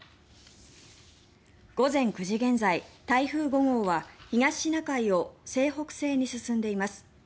午前９時現在、台風５号は東シナ海を西北西に進んでいます。